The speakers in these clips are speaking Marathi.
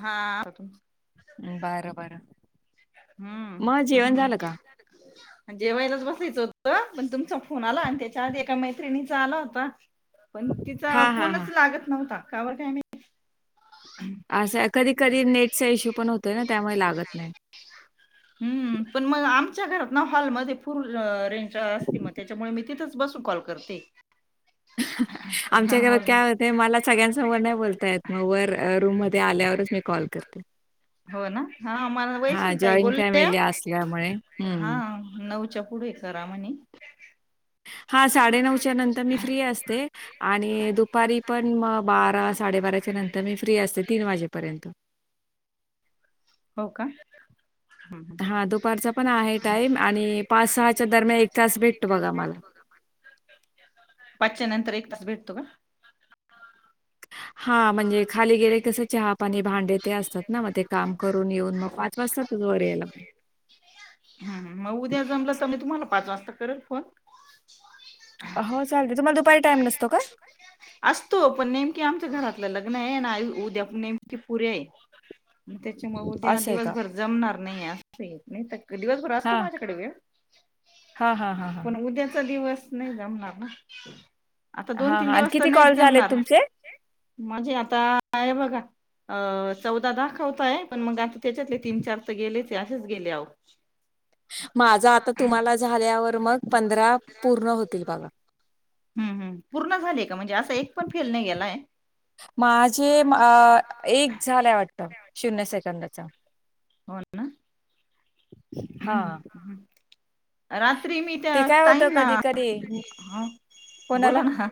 हा आ. बरं बरं. मग हम्म जेवण झालं का? हम्म जेवायलाच बसायचं होतं, पण तुमचं कुणाला त्याच्या आधी एका मैत्रिणीचा आला होता पण तिचा हां, हां, फोनच हां. लागत नव्हता. कावर काय माहिती. असंय कधी कधी नेटचा इश्यू पण होतोय ना त्यामुळे लागत नाही. हम्म पण मग आमच्या घरात ना हॉलमध्ये फूर रेंज. अस मग त्याच्यामुळे मी तिथेच बसून कॉल करते [unintelligible] हा आमच्या घरात हॉल काय होते, मला सगळ्यांसमोर नाही बोलताय मग वर रूम म आल्यावरच मी कॉल. करते. हो ना हा मला हां, वैसल तई जॉइंट बोल फॅमिली असल्यामुळे. हा. हं. नऊच्या पुढे खरा म्हणे. हा साडेनऊच्या नंतर मी फ्री असते, आणि दुपारी पण म बारा साडे बाराच्या नंतर मी फ्री असते तीन वाजेपर्यंत. हो का. हम्म. हा दुपारचा पण आहे, टाइम आणि पाच सहाच्या दरम्यान एक तास भेटत बघा मला. [inaudible] पाचच्या नंतर एक तास भेटतो का. हा म्हणजे खाली गेले कस चहा पाणी भांडे ते असतात ना मग ते काम करून येऊन मग वाजतातच वर यायला पण. हम मग उद्या जमलं तर मी तुम्हाला पाच वाजता करन फोन हो चालतय तुम्हाला दुपारी टाईम नसतो का? आपलं लग्न आहे ना उद्या पूने पुरे आहे त्याच्यामुळे उद्या असं आहे का? दिवसभर जमणार नाही असं येत नाही दिवसभर असतो हां, माझ्याकडे वेळ हां, हां, हां, हां. पण उद्याचा दिवस नाही जमणार ना आता दोन हां, तीन हां. आणि दिवस तर किती नाहीच कॉल झालेत जमणार तुमचे? म्हणजे आता आहे बघा अं चौदा दाखवताय पण मग आता त्याच्यातले तीन चार तर गेलेच असेच गेले आओ माझा आता तुम्हाला झाल्यावर मग पंधरा पूर्ण होतील बघा हम्म हम् पूर्ण झाले का म्हणजे असं एक पण फेल नाही गेला माझे अ एक झालंय वाटत शून्य सेकंदच हो ना हा रात्री मी त्या ताई होतं ना कधी-कधी कोणाला? बोला ना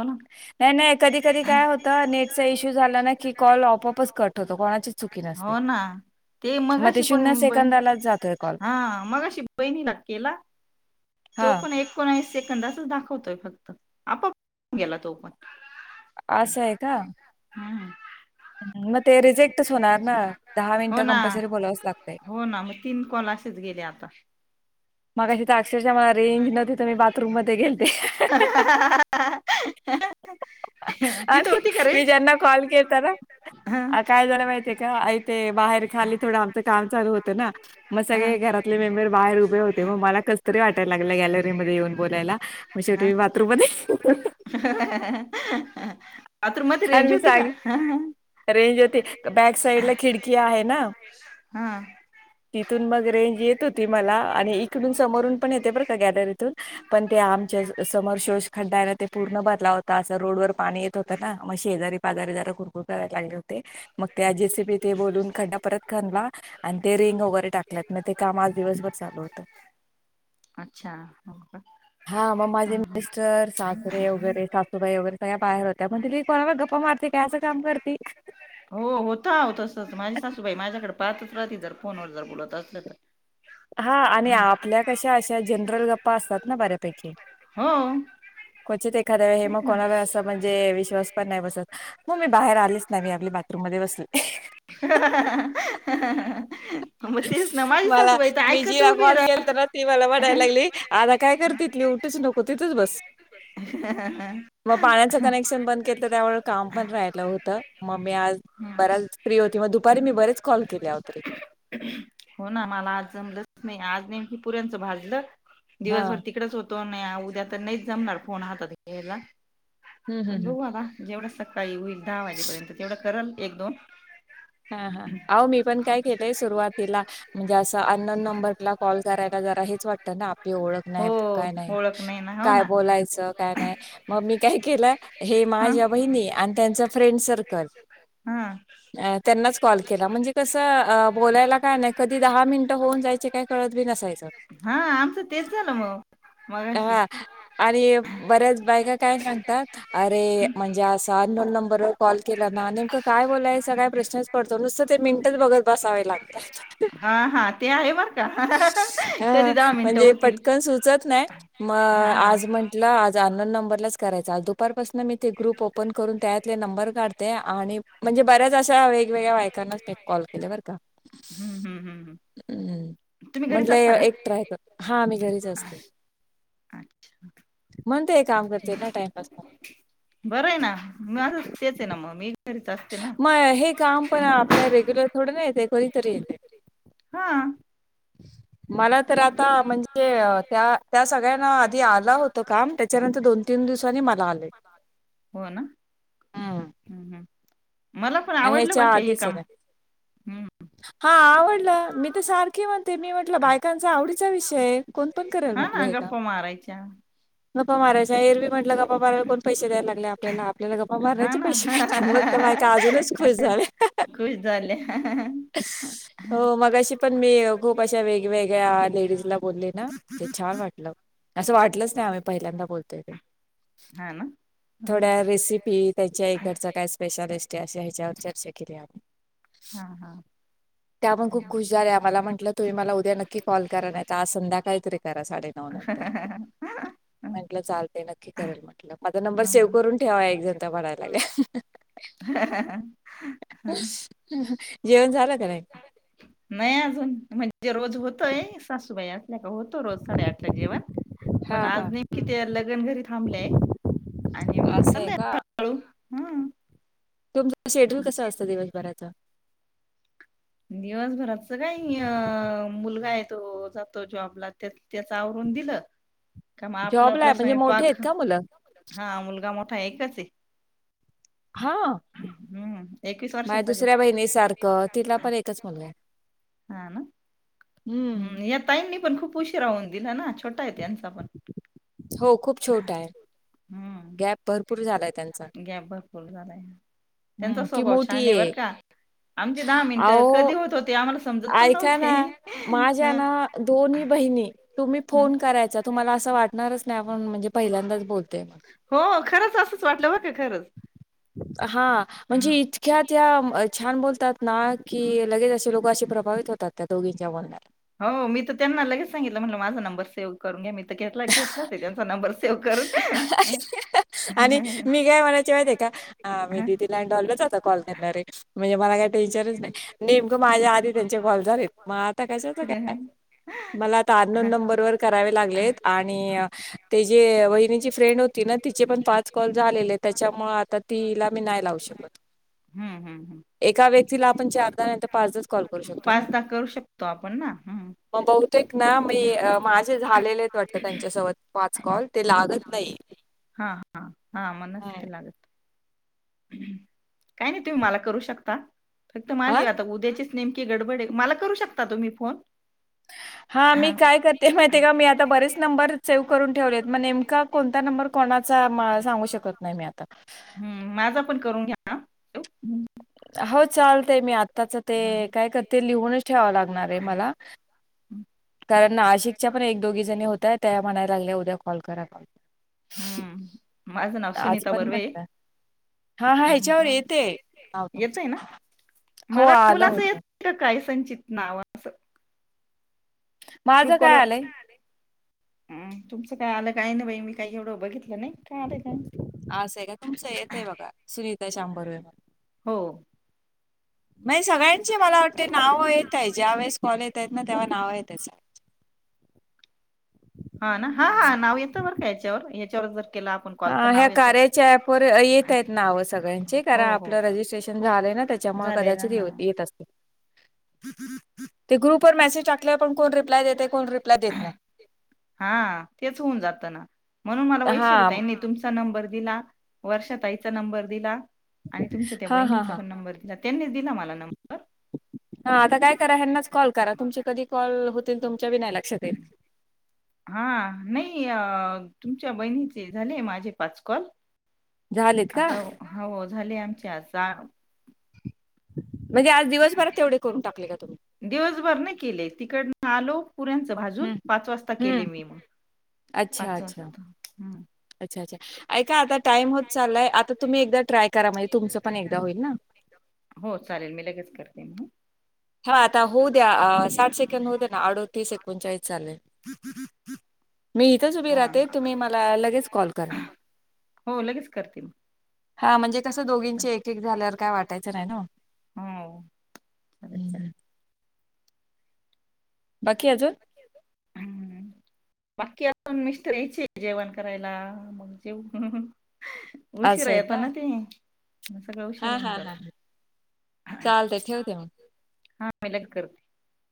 बोला. नाही नाही कधी कधी काय होत नेटचा इश्यू झाला ना की कॉल ऑप ऑपच कट होत हो ना ते मग मगशी पण सेकंदालाच जातोय कॉल. हा मगशी बा केला तो हां, पण सेकंदच दाखवतोय फक्त आपोआप गेला तो पण असं आहे का? हम्म मग ते रिजेक्टच होणार ना. हो मिनिटं ना कंपल्सरी बोलावंच लागतंय. हो ना मग तीन कॉल असच गेले आता मगाशी तर अक्षरशः मला रेंज नव्हती त मी बाथरूम मध्ये गेलते हा हा.. तिथं आणि होती का मी रेंज ज्यांना कॉल केलता ना हा अ काय झालं माहितीय का ते बाहेर खाली थोडं आमचं काम चालू होतं ना मग हा सगळे घरातले मेंबर बाहेर उभे होते ते मग मला कस तरी वाटायला लागलं गॅलरीमध्ये येऊन बोलायला मग शेवटी मी बाथरूम मध्ये ह बाथरूम मध्ये आणि रेंज मी होती का? सांग रेंज होती बॅक साइड ला खिडकी आहे ना हा. तिथून मग रेंज येत होती मला आणि इकडून सम रून पण येते बर का गॅलरीतून पण ते आमच्या समोर शोश खड्डा आहे ना तो पूर्णपणे भरला होता अस रोड व पाणी येत होतं ना मग शेजारी पाजारी जरा कुरकुर करायला लागले होते मग ते जेसीबी तेन बोलून खड्ड परत खनला मग ते रिंग वगैरे टाक ते का दिवसभर चालू होत अच्छा हा मग माझे मिस्टर सासरे वगैरे सासूबाई वगैरे सगळ्या बाहेर होत्या. म्हण त म कोणाला गप्पा मारते काय असं काम करते. हो होत आओ तसच माझी सासूबाई माझ्याकडे पाहतच राहती जर फोनवर जर बोलत असलं तर. हा आणि आपल्या कशा अशा जनरल गप्पा असतात ना बऱ्यापैकी. हो क्वचित एखाद हे मग तेच ना कोणाला असं म्हणजे विश्वास पण नाही बसत. मग मी बाहेर आलेच नाहि मी आपली बाथरूम मध्ये बसले. हा हा हा हा हा हा. मला मी जिला उभी कॉल केल तर ना ती मला म्हणायला लागली आता काय करती तू कुठेच नको तिथेच बस. हा हा. मग पाण्याचं कनेक्शन बंद केेतलत त्यामुळे काम पण राहिलं होतं मग मी आज राह बराच फ्री होती मग दुपारी मी बरेच कॉल केले आहो तरी हो ना मला आज नाही आज नेमकी पुऱ्यांचं भाजलं हा दिवसभर तिकडच होती हॊ नाही उद्या तर नाही जमणार फोन हातात घ्यायला हम्म हम्म पण हम्म बघू आला जेवढ. सकाळी होईल दहा वाजेपर्यंत तेवढं करल एक दोन, हा हा मी पण काय केलंय सुरुवातीला म्हणजे अस न अननोन नंबरला कॉल कराय. ला जरा हेच वाटत ना, आपली ओळख हो नाय, काय, ओळख नाही ना हो काय ना बोलायचं काय नाय मग मी काय केलं हे ह माझ्या बहिणी आणि त्यांचा फ्रेंड सर्कल, मी हम्. त्यांनाच कॉल केला म्हणजे कसं बोलायला काय नाही कधी दहा मिनटं होऊन जायचे काय कळत बी नसायचं. हा आमचं तेच झालं मग. मगाशी हा आणि बऱ्याच बायका काय सांगतात अरे म्हणजे असं.... नॉन नंबर कॉल केला ना नेमकं काय बोलायचं काय प्रशन नुसत ते मिनट बघत बसावे लागतात. हा हा ते आहे बर का कधी हा दहा मिनिटं म्हणजे होतील पटकन सुचत नाही म हा आज म्हंटलं आज नंबर ला करायचं, दुपारपासन मी तें ग्रुप ओप ओपन करून त्याच्यातले नंबर काढते, आनी म्हणजे बऱ्याच अशा वेग वेगवेगळ्या बायकांनाच फेक कॉल केलं बर का. हम्म हम्म हम्म तुम्ही घरीच म्हंटलंय असता का एकट्रय कर हा मी घरीच असते. अच्छा. म्हण ते काम करते ना टाइमपास बरं आहे ना मी असं तेच आहे ना मग मी. घरीच असते ना मग हे काम पण आपल्या रेग्युलर थोडं ना येते कधीतरी येते. हा. रिकामा ऑडिओ मला तर आता म्हणजे त्या त्या सगळ्यांना आधी आलं होतं काम त्याच्यानंतर दोन तीन दिवसांनी मला आले. हो ना हम्म हम् हम्. मला पण आणि आवडलं ह्याच्या पण काही हे आधीच काम हम्म. हा आवडला. मी तर सारखी म्हणते मी म्हटलं बायकांचा आवडीचा विषय आहे. कोण पण करेल हा म्हटलं ना हे काम. गप्पा मारय. च्या, गप्पा मरायच्या. एरवीम्हटलं गपपा माराला कोण पैसे दयला लागले आपल्याला आपल्याला गप्पा हा मारण्याचे ना पैसे भेटतात मग तर माय का अजूनच. झाले. खुश झाल्या हो मग अशी पण मी खूप अशा वेगवेगळ्या... लेज ला बोलले ना ते छान वाटलं असं वाटलंच नाही आम्ही पहिल्यांदा बोलतोय ते. हा ना. थोड्या रेसिपी त्यांच्या इकडचा काय स्पेशालिस्ट आहे अश ह्याच्यावर चर्चा केली आम्ही. हा हा. त्यामुळे त्या खूप खुश झाल्या मला म्हटलं तुम्ही मला उद्या नक्की कॉल करा नाही आज संध्या काहीतरी करा साडेनऊ... नंतर. हाहाहा. म्हंटलं चालते नक्की करेल म्हटलं माझा नंबर सेव्ह करून ठेवा एकजण त्या म्हणायला लागल्या. रिकामा ऑडिओ जेवण. झालं का नाही नाही अजून म्हणजे रोज होतय सासूबाई असल्या का होत रोज साडे आठला जेवण हा पण हा आज नेमका ते लगन घरी थांबलेय. आणि मग असं आहे चाले हळू हा. तुमचा शेड्यूल कसा असतं दिवसभराचा? दिवसभरच काही अ मुलगा येतो तो जातो जॉबला त्यांचं आवरून दिले. रिकामा ऑडिओ का मग आपला आपला स्वयंपाक हा मुलगा मोठा एकच आहे. हा हम्म एकवीस माझ्या वर्षाचा हाय दुसऱ्या बहिणीसारखं तो. तिला पण एकच मुलगा आहे. हम्म हम् या ताईंनी पण खूप उशीरा हून दिला ना छोटा आहे त्यांचा पण.. हो खूप छोटा आहे. हम्म गॅप भरपूर झालाय त्यांचा गॅप भरपूर झालाय त्यांचा हम्म ती स्वभाव छान मोठी बर आहे का आमचे दहा मिनटं अहो कधी होत होते आम्हाला समजत पण ऐका नव्हते ना माझ्या हं ना दोन्ही बहिणी तुम्ही हं फोन करायचा तुम्हाला असं वाटणारच नाही आपण म्हणजे पहिल्यांदाच बोलत हो खरंच असंच वाटलं बर का खरंच हां, म्हणजे इतक्या त्या छान बोलतात ना की लगेच असे लोकं प्रभावित होतात त्या दोघींच्या बोलण्याला. हो मी तर त्यांना लगेच सांगितलं म्हटलं माझा नंबर सेव्ह करून घ्या मी ला घेतला ते त्यांचा नंबर सेव करून आणि मी काय म्हणायचे माहिती आहे का? मी हां. दिदीला कॉल करणारे म्हणजे मला का नेमक माझ्या आधी त्यां कॉल झा आता कशाचे काय हं, मला आ आनोन नंबर वर करावे लागले आणि ते जे वहिनीची फ्रेंड होती ना तिचे पण पाच कॉल झालेले त्याच्यामुळे आता तिला मी नाही लावू शकत हम्म हम्म हम् एका व्यक्तीला आपण नाहीतर कॉल करू शकतोय ना. पाचदा करू शकतो आपण ना हम् मग बहुतेक ना मी माझे झालेले वाटत त्यांच्यासोबत पाच कॉल ते लागत नाही हां, हां. मग नसते लागत. काही नाही तुम्ही मला करू शकता फक्त हा माझी आता उद्याचीच नेमकी गडबडे मला करू शकता तुम्ही फोन ह हा मी हां, काय करते माहितीय आहे का मी आता बरेच नंबर सेव्ह करून ठेवले आहेत मग नेमका कोणता नंबर कोणा सांगू शकत नाही मी आता आज आपण करून घ्या ना हो चालतय मी आताच ते काय करते लिहूनच ठेवा लागणार आहे मला मला. कारण नाशिकच्या पण एक दोघी जणी होतय त्या म्हणायला लागल्या उद्या कॉल करा कॉल करा हम्म माझं नाव आज सुनीता पण बर्वे म्हटलं हा हा ह्याच्यावर येते नाव येत तुमचं ना हो मला आलं मुलांचे येत होतं सायसंचित नावा असते माझं काय आलंय हम तुमचं काय आलं काय ना बाई मी काही एवढं बघितलं नाही काय आलं काय असं आहे का तुमचं येत आहे बघा सुनीता शाम बर्वे म्हणून हो म्हणजे सगळ्यांचे मला वाटते नाव येत आहे ज्या वेळेस कॉलेेत आहेत ना तेव्हा नावं येत हा ना हा हा नाव येतं बर का यांच्यावर यांच्यावर जर केला आपण कॉल तर ह ह्या नाव येतं. कार्याच्या ॲप वर येत आहेत नाव सगळ्यांचे हो कारण हो आपलं रजिस्ट्रेशन झालं रजिस्टर. झालं त्यांच्यामुळे ना झाले ना कदाचित हा येत असतील ते ग्रुप वर मेसेज टाकलेवर, पण कोण रिप्लाय देते, कोण रिप्लाय देत नाही. हा तेच होऊन जातं ना. म्हणून मला हा वैशाली ताई नी तुमचा नंबर दिला, वर्षा ताईचा नंबर दिला आणि तुमच्या त्या हा हा बहिणीचा, हा पण नंबर दिला, त्यांनीच दिला मला नंबर. हा आता काय करा हनाच कॉल करा, तुमची कधी कॉल होतील तुमच्या बी नाही लक्षात येत. हा नाही अ तुमच्या बहिणीचे झाले, माझे पाच कॉल. झालेत का आता हो झाली आमच्या. म्हणजे आज दिवसभरात तेवढे करून टाकले का तुम्ही दिवसभर न केले. तिकड नालो पुऱ्यांच भाजून हम्म पाच वाजता हम्म केले मी म पाच वाजता हम्म. अच्ा अच्ा [unintelligible] ऐका आता टाइम होत चाललाय, आता तुम्ही एकदा ट्राय करा, म्हणजे तुमचं पण एकदा होईल ना, हो चालेल मी लगेच करते मग. हा आता होऊ द्या साठ सेकंड होऊ द्या ना अडोतीस एकोणचाळीस झाले. किती कि [unintelligible] मी. उभी राहते तुम्ही मला लगेच कॉल करा. हा हो लगेच करते मग तसं दोघींची एक एक झाल्यावर, काय वाटायचं नाही ना. हो बाकी अजून. बाकी असून मिस्टर यायची जेवण करायला मग जेव असं उशीिरा आहे येतो का ना ते सगळं उशीर हा म्हण हा हा जात. चालते ठेवते मग. मलग करर्ते [unintelligible]